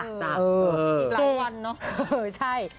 อีกหลายวันเนาะ